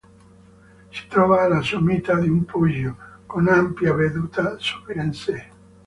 Si trova alla sommità di un poggio, con un'ampia veduta su Firenze.